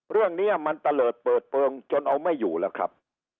เรื่องนี้มันตะเลิศเปิดเปลืองจนเอาไม่อยู่แล้วครับ